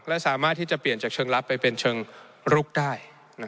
และสามารถที่จะเปลี่ยนจากเชิงลับไปเป็นเชิงลุกได้